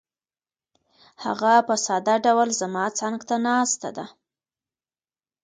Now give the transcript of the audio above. هغه په ساده ډول زما څنګ ته ناسته ده.